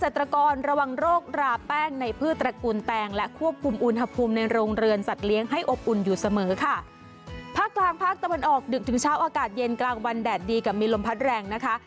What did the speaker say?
ถึงเช้าอากาศเย็นกลางวันแดดดีกับมีลมพัดแรงนะคะ